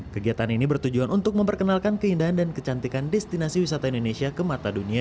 kegiatan ini bertujuan untuk memperkenalkan keindahan dan kecantikan destinasi wisata indonesia ke mata dunia